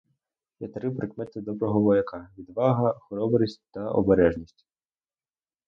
Є три прикмети доброго вояка: відвага, хоробрість та обережність.